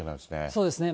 そうですね。